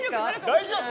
大丈夫？